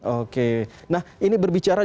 oke nah ini berbicara